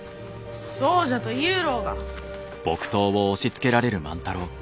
そうじゃと言ゆうろうが。